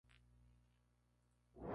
Existe vegetación secundaria de estos.